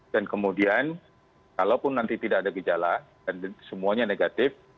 dan kemudian kalaupun nanti tidak ada gejala dan semuanya negatif